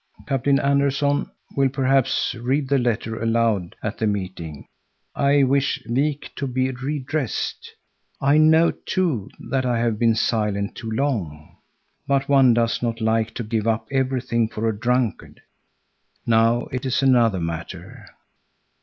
Captain Anderson will perhaps read the letter aloud at the meeting. I wish Wik to be redressed. I know, too, that I have been silent too long, but one does not like to give up everything for a drunkard. Now it is another matter."